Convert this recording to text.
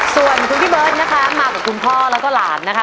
ส่วนคุณพี่เบิร์ตนะคะมากับคุณพ่อแล้วก็หลานนะคะ